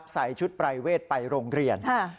ใส่ชุดปรายเวทไปโรงเรียน